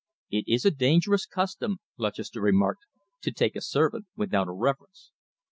"It is a dangerous custom," Lutchester remarked, "to take a servant without a reference."